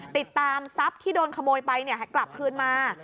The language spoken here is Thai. ติดตามทรัพย์ที่โดนขโมยไปกลับคืนมา